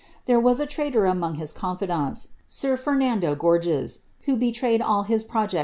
Tlicre was a traitor an confidants — sir Ferdinando Gorges, who betrayed all his pro Cecil.